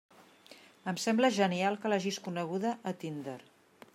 Em sembla genial que l'hagis coneguda a Tinder!